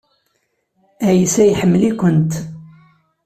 Ɛisa iḥemmel-ikent.